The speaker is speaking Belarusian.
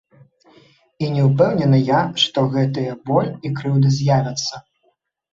І не ўпэўнены я, што гэтыя боль і крыўда з'явяцца.